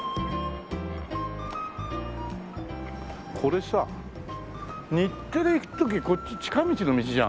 これさ日テレ行く時こっち近道の道じゃん。